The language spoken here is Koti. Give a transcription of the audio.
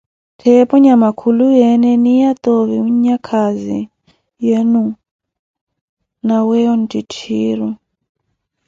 Ttheepo nyama khuluyeene eniya toovi nakhazi enu na weeyo waattitthiru?